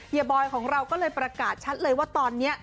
บอยของเราก็เลยประกาศชัดเลยว่าตอนนี้